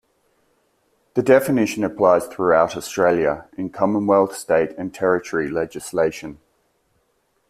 The definition applies throughout Australia, in Commonwealth, state and territory legislation.